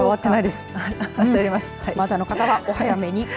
まだの方はお早めに。